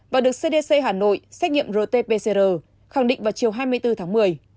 và được cdc hà nội xét nghiệm rt pcr khẳng định vào chiều hai mươi bốn tháng một mươi